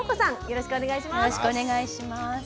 よろしくお願いします。